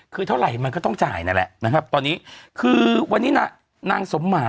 คือเท่าไหร่มันก็ต้องจ่ายนั่นแหละ